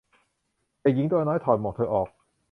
เด็กหญิงตัวน้อย ถอดหมวกเธอออก